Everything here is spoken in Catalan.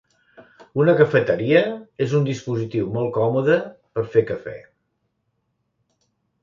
Una cafeteria és un dispositiu molt còmode per fer cafè.